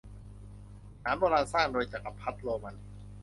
วิหารโบราณสร้างโดยจักรพรรดิโรมัน